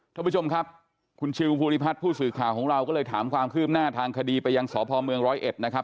ท่านผู้ชมครับคุณชิวภูริพัฒน์ผู้สื่อข่าวของเราก็เลยถามความคืบหน้าทางคดีไปยังสพเมืองร้อยเอ็ดนะครับ